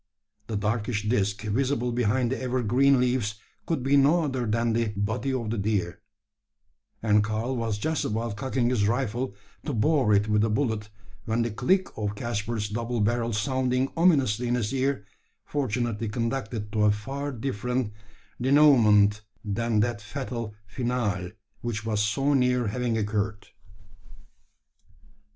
The darkish disc visible behind the evergreen leaves could be no other than the body of the deer; and Karl was just about cocking his rifle, to bore it with a bullet, when the click of Caspar's double barrel sounding ominously in his ear, fortunately conducted to a far different denouement than that fatal finale which was so near having occurred.